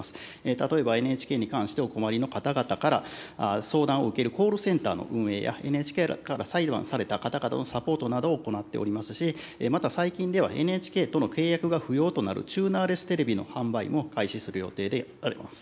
例えば、ＮＨＫに関してお困りの方々から相談を受けるコールセンターの運営や、ＮＨＫから裁判された方々のサポートなどを行っておりますし、また最近では、ＮＨＫとの契約が不要となるチューナーレステレビの販売も開始する予定であります。